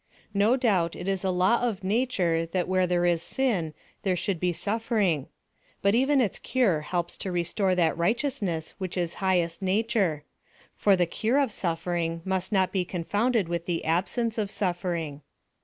No doubt it is a law of nature that where there is sin there should be suffering; but even its cure helps to restore that righteousness which is highest nature; for the cure of suffering must not be confounded with the absence of suffering.